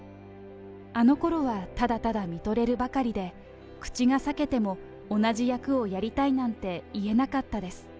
あのころはただただ見とれるばかりで、口が裂けても同じ役をやりたいなんて言えなかったです。